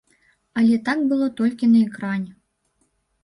Але так было толькі на экране.